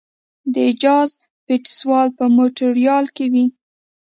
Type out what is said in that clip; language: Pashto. د جاز فستیوال په مونټریال کې وي.